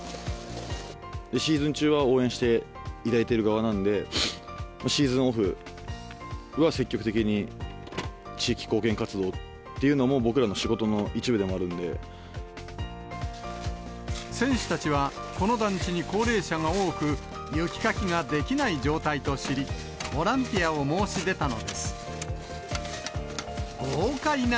シーズン中は応援していただいている側なので、シーズンオフは積極的に地域貢献活動っていうのも、僕らの仕事の選手たちは、この団地に高齢者が多く、雪かきができない状態と知り、ボランティアを申し出たのです。